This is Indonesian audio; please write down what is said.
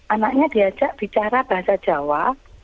anaknya diajak bicara bahasa jawa